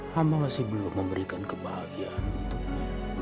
hamba masih belum memberikan kebahagiaan untuknya